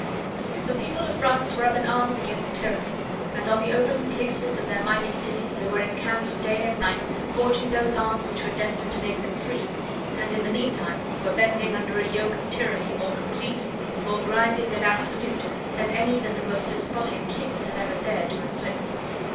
The people of France were up in arms against tyranny; and on the open places of their mighty city they were encamped day and night forging those arms which were destined to make them free, and in the meantime were bending under a yoke of tyranny more complete, more grinding and absolute than any that the most despotic kings had ever dared to inflict.